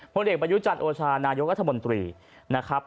ผลเอกประยุจันทร์โอชานายกรัฐมนตรีนะครับ